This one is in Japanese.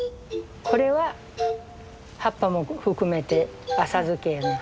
これは葉っぱも含めて浅漬けやね。